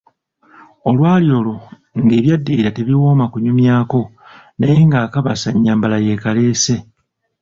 Olwali olwo nga Ebyaddirira tebiwooma kunyumyako, naye ng‘akabasa nnyambala yeekaleese.